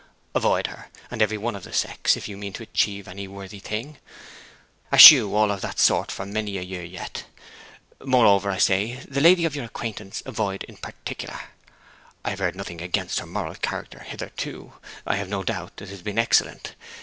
Avoid her, and every one of the sex, if you mean to achieve any worthy thing. Eschew all of that sort for many a year yet. Moreover, I say, the lady of your acquaintance avoid in particular. I have heard nothing against her moral character hitherto; I have no doubt it has been excellent.